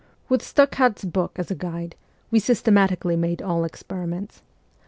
With Stockhardt's book as a guide, we systematically made all experiments.